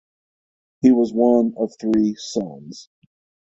He was one of three sons.